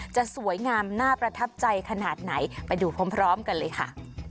จะสวยงามน่าประทับใจขนาดไหนไปดูพร้อมกันเลยค่ะ